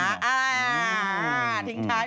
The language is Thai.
อ่าทิ้งท้าย